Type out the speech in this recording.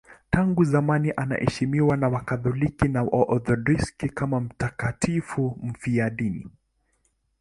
Tangu zamani anaheshimiwa na Wakatoliki na Waorthodoksi kama mtakatifu mfiadini.